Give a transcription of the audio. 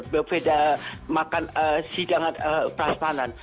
buffet makan sidangan peras panas